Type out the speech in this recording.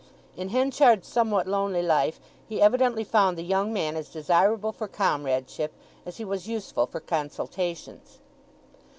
In Henchard's somewhat lonely life he evidently found the young man as desirable for comradeship as he was useful for consultations.